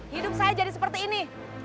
hidup saya jadi seperti ini